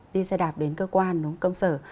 đi xe đạp đến cơ quan công sở